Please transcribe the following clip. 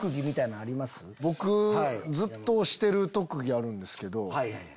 僕ずっと推してる特技あるんですけど。